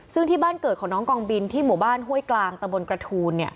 ซึ่งที่บ้านเกิดของน้องกองบินที่หมู่บ้านห้วยกลางตะบนกระทูล